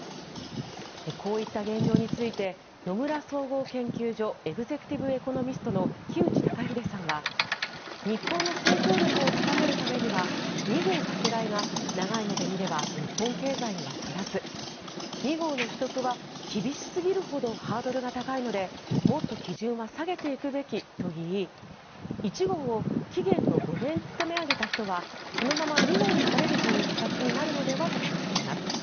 こういった現状について野村総合研究所エグゼクティブ・エコノミストの木内登英さんは日本の成長力を高めるためには２号拡大が長い目で見れば日本経済にはプラス２号の取得は厳しすぎるほどハードルが高いのでもっと基準は下げていくべきといい１号を期限の５年勤め上げた人はそのまま２号になれるという形になるのではと話しています。